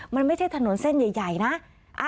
มันไม่ใช่ถนนเส้นใหญ่นะ